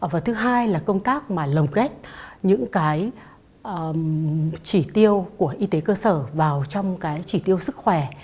và thứ hai là công tác mà lồng kết những cái chỉ tiêu của y tế cơ sở vào trong cái chỉ tiêu sức khỏe